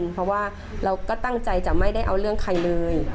เพราะว่าเราก็ตั้งใจจะไม่ได้เอาเรื่องใครเลย